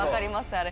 あれ。